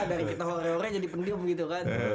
dari kita ore ore jadi pendium gitu kan